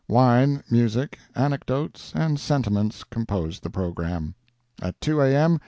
Wine, music, anecdotes and sentiments composed the programme. At 2 A.M.